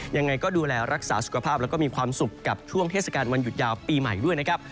ยังไงก็ดูแลรักษาสุขภาพแล้วก็มีความสุขกับช่วงเทศกาลวันหยุดยาวปีใหม่ด้วยนะครับ